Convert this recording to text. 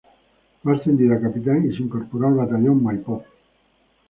Fue ascendido a capitán y se incorporó al batallón Maipo.